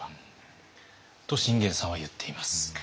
と信玄さんは言っています。